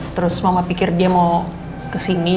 terus mama pikir dia mau kesini